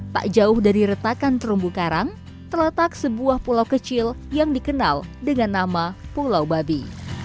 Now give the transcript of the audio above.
tak jauh dari retakan terumbu karang terletak sebuah pulau kecil yang dikenal dengan nama pulau babi